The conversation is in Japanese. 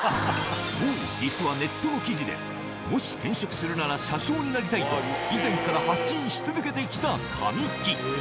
そう、実はネットの記事で、もし転職するなら車掌になりたいと、以前から発信し続けてきた神木。